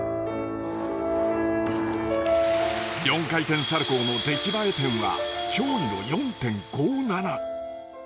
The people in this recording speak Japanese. ４回転サルコーの出来栄え点は驚異の４．５７。